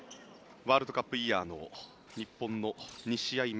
ワールドカップイヤーの日本の２試合目。